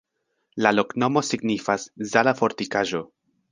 La loknomo signifas: Zala-fortikaĵo.